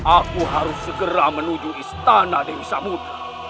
aku harus segera menuju istana dewi samude